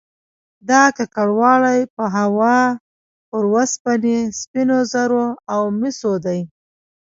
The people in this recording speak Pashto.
دا ککړوالی په هوا او پر اوسپنې، سپینو زرو او مسو دی